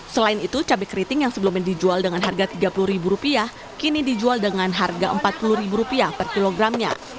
selain itu cabai keriting yang sebelumnya dijual dengan harga rp tiga puluh kini dijual dengan harga rp empat puluh per kilogramnya